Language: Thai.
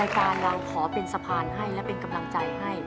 การเราขอเป็นสะพานให้และเป็นกำลังใจให้